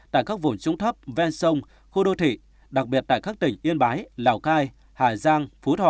tại các vùng trúng thấp ven sông khu đô thị đặc biệt tại các tỉnh yên bái lào cai hà giang phú thọ